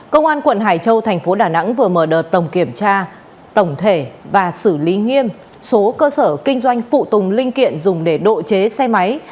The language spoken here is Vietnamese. công an quận hải châu thành phố đà nẵng vừa mở đợt tổng kiểm tra tổng thể và xử lý nghiêm số cơ sở kinh doanh phụ tùng linh kiện dùng để độ chế xe máy